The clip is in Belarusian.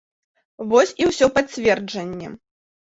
Вось і ўсё пацверджанне.